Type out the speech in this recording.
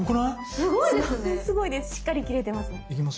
すごいです。